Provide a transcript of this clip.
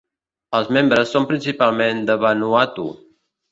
Els membres són principalment de Vanuatu.